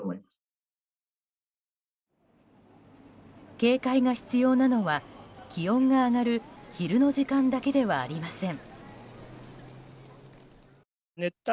警戒が必要なのは気温が上がる昼の時間だけではありません。